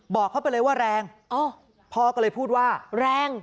บอกเขาไปเลยว่าแรงพ่อก็เลยพูดว่าแรง